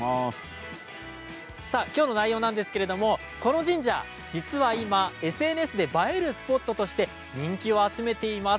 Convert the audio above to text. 今日の内容なんですがこの神社、今ＳＮＳなどで映えるスポットとして人気を集めています。